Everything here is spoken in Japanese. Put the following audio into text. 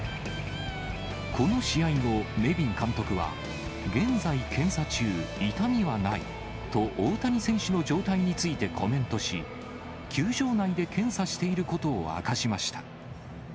この試合後、ネビン監督は、現在検査中、痛みはないと大谷選手の状態についてコメントし、球場内で検査していることを明かしました。